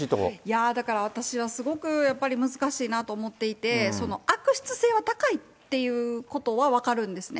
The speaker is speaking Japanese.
いやー、だから私はすごくやっぱり難しいなと思っていて、悪質性は高いっていうことは分かるんですね。